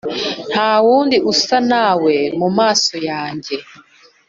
nta wundi usa nawe mu maso yanjye